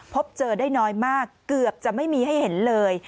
พบเจอได้น้อยมากเกือบจะไม่มีให้เห็นเลย